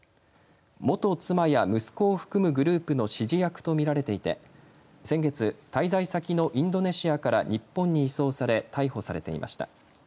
元妻や息子を含むグループの指示役と見られていて先月、滞在先のインドネシアから日本に移送され逮捕されていました。